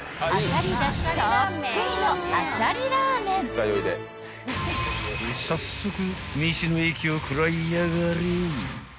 ［さっそく道の駅を食らいやがれ］